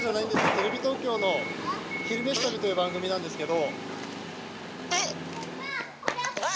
テレビ東京の「昼めし旅」という番組なんですけど。